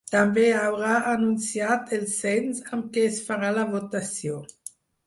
També haurà anunciat el cens amb què es farà la votació.